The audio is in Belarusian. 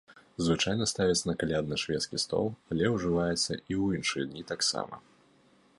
Звычайна ставіцца на калядны шведскі стол, але ўжываецца і ў іншыя дні таксама.